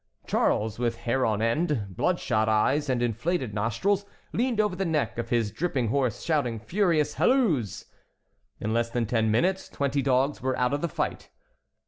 Charles, with hair on end, bloodshot eyes, and inflated nostrils, leaned over the neck of his dripping horse shouting furious "halloos!" In less than ten minutes twenty dogs were out of the fight.